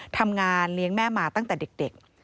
ทำงานเลี้ยงแม่มาตั้งแต่เด็ก